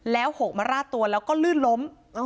แล้วหกมาระตัวแล้วก็ลืนล้ม